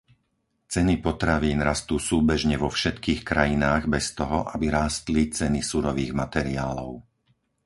Ceny potravín rastú súbežne vo všetkých krajinách bez toho, aby rástli ceny surových materiálov.